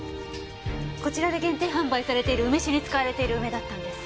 こちらで限定販売されている梅酒に使われている梅だったんです。